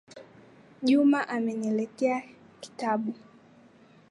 Juma ameniletea kitabu.